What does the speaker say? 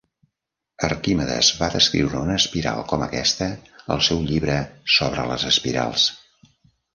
Arquimedes va descriure una espiral com aquesta al seu llibre "Sobre les espirals".